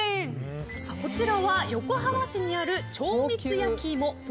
こちらは横浜市にある超蜜やきいも